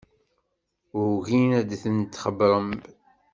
Ugin ad tent-xebbren.